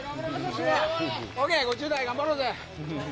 ＯＫ、５０代頑張ろうぜ。